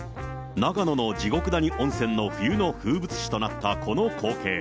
長野の地獄谷温泉の冬の風物詩となったこの光景。